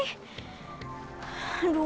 kasih dia sendiri dulu